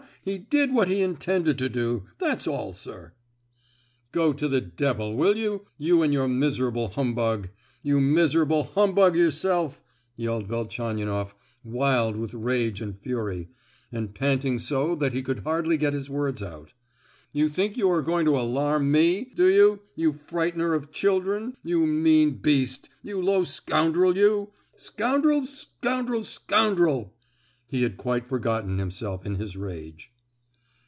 He did what he intended to do, that's all, sir!" "Go to the devil, will you—you and your miserable humbug—you miserable humbug yourself," yelled Velchaninoff, wild with rage and fury, and panting so that he could hardly get his words out. "You think you are going to alarm me, do you, you frightener of children—you mean beast—you low scoundrel you?—scoundrel—scoundrel—scoundrel!" He had quite forgotten himself in his rage.